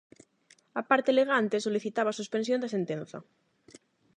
A parte alegante solicitaba a suspensión da sentenza.